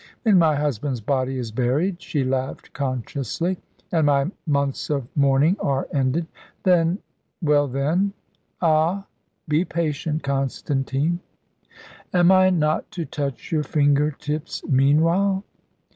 When my husband's body is buried" she laughed consciously "and my months of mourning are ended, then well, then ah, be patient, Constantine." "Am I not to touch your finger tips meanwhile?"